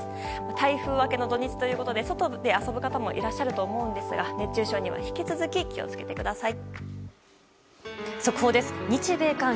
台風明けの土日ということで外で遊ぶ方もいらっしゃると思いますが熱中症には引き続き気を付けてください。